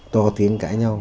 to tiếng cãi nhau